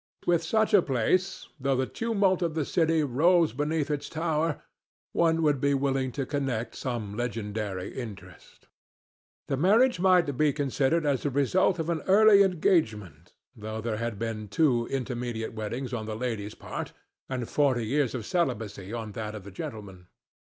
With such a place, though the tumult of the city rolls beneath its tower, one would be willing to connect some legendary interest. The marriage might be considered as the result of an early engagement, though there had been two intermediate weddings on the lady's part and forty years of celibacy on that of the gentleman.